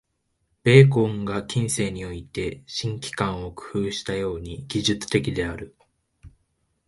ベーコンが近世において「新機関」を工夫したように、技術的である。